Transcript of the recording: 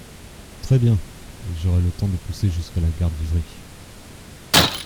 Très bien !… j’aurai le temps de pousser jusqu’à la gare d’Ivry…